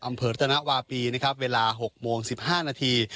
อำเภอรัตนวาปีนะครับเวลา๖โมง๑๕นาที